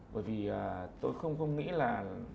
bởi vì tôi không nghĩ là